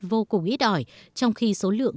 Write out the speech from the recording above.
vô cùng ít ỏi trong khi số lượng